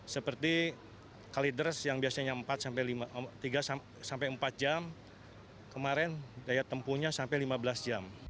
seperti kaliders yang biasanya tiga sampai empat jam kemarin daya tempuhnya sampai lima belas jam